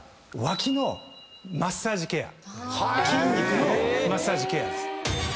筋肉のマッサージケアです。